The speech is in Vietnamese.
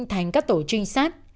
thành các tổ trinh sát